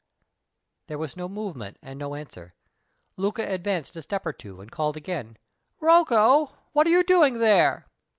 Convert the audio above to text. There was no movement and no answer. Luca advanced a step or two, and called again. "Rocco, what are you doing there?"